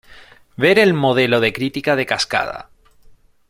Ver el modelo de Crítica de Cascada.